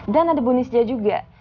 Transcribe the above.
dan ada bunyi saja juga